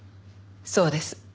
そうです。